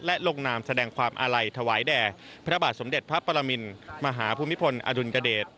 และลงนามแสดงความอาลัยถวายแด่พระบาทสมเด็จพระปรมินมหาภูมิพลอดุลยเดช